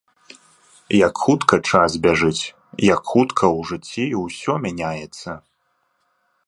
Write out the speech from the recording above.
Як хутка час бяжыць, як хутка ў жыцці ўсё мяняецца!